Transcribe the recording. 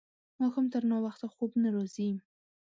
ماښام تر ناوخته خوب نه راځي.